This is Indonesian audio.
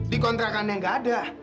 dikontrakan yang gak ada